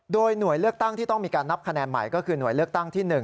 โดยหน่วยเลือกตั้งที่ต้องมีการนับคะแนนใหม่ก็คือหน่วยเลือกตั้งที่๑